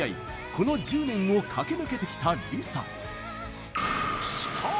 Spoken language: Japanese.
この１０年を駆け抜けてきたＬｉＳＡ。